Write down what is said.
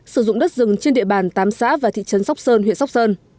sử dụng đất rừng trên địa bàn tám xã và thị trấn sóc sơn huyện sóc sơn